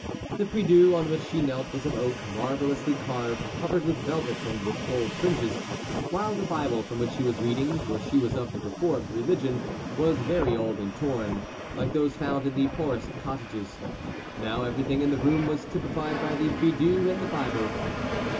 The priedieu on which she knelt was of oak, marvellously carved, covered with velvet and with gold fringes, while the Bible from which she was reading (for she was of the reformed religion) was very old and torn, like those found in the poorest cottages; now everything in the room was typified by the priedieu and the Bible.